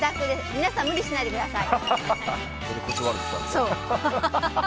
皆さん、無理しないでください。